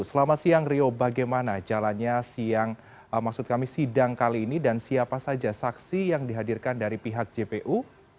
selamat siang rio bagaimana jalannya siang maksud kami sidang kali ini dan siapa saja saksi yang dihadirkan dari pihak jpu